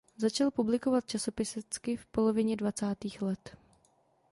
Začal publikovat časopisecky v polovině dvacátých let.